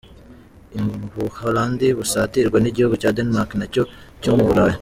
U Buholandi busatirwa n’igihugu cya Denmark, na cyo cyo mu Burayi.